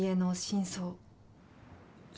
真相？